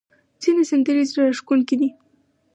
ځینې سندرې زړه راښکونکې دي.